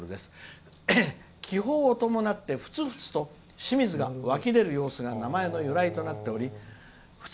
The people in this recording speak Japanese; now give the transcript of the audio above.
気泡を伴って、ふつふつと清水が湧き出る様子が名前の由来となっております。